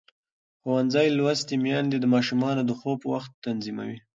ښوونځې لوستې میندې د ماشومانو د خوب وخت تنظیموي.